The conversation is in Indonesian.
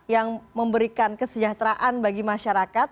yang memberikan kesejahteraan bagi masyarakat